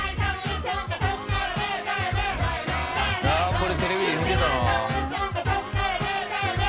これテレビで見てたな。